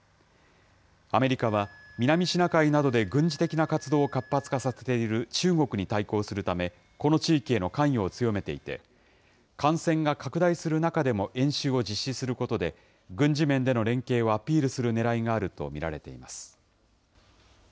アメリカは、南シナ海などで軍事的な活動を活発化させている中国に対抗するため、この地域への関与を強めていて、感染が拡大する中でも演習を実施することで、軍事面での連携をアピールするねらいがあると見られています。